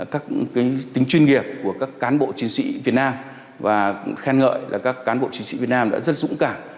các tính chuyên nghiệp của các cán bộ chiến sĩ việt nam và khen ngợi là các cán bộ chiến sĩ việt nam đã rất dũng cảm